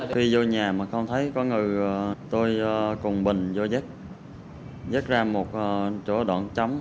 khi vô nhà mà không thấy có người tôi cùng bình vô dắt dắt ra một chỗ đoạn chấm